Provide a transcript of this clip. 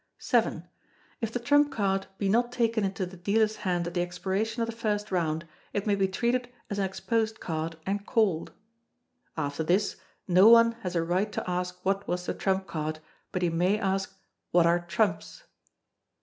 ] vii. If the trump card be not taken into the dealer's hand at the expiration of the first round, it may be treated as an exposed card, and called. [After this, no one has a right to ask what was the trump card, but he may ask "What are Trumps?"